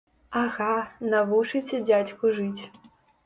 Ага, навучыце дзядзьку жыць!